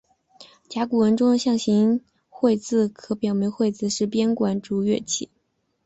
甲骨文中的象形龠字可表明龠是编管竹乐器。